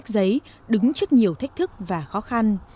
giấy đứng trước nhiều thách thức và khó khăn